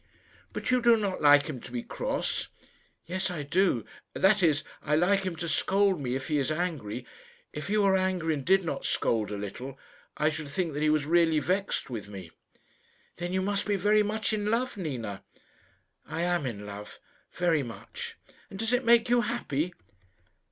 "But you do not like him to be cross." "Yes, I do. That is, I like him to scold me if he is angry. If he were angry, and did not scold a little, I should think that he was really vexed with me." "Then you must be very much in love, Nina?" "I am in love very much." "And does it make you happy?"